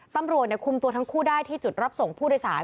ตำรวจคุมตัวทั้งคู่ได้ที่จุดรับส่งผู้โดยสาร